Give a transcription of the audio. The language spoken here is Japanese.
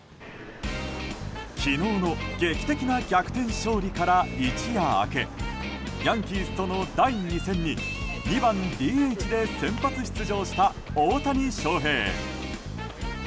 昨日の劇的な逆転勝利から一夜明けヤンキースとの第２戦に２番ＤＨで先発出場した大谷翔平。